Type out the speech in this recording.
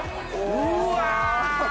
うわ！